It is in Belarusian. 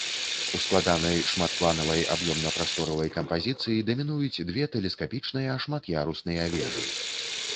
У складанай шматпланавай аб'ёмна-прасторавай кампазіцыі дамінуюць две тэлескапічныя шмат'ярусныя вежы.